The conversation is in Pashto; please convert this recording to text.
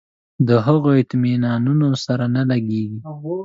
د هغو اطمینانونو سره نه لګېږي.